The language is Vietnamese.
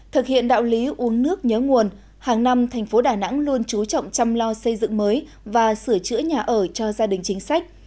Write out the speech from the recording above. thực hiện đạo lý uống nước nhớ nguồn hàng năm thành phố đà nẵng luôn trú trọng chăm lo xây dựng mới và sửa chữa nhà ở cho gia đình chính sách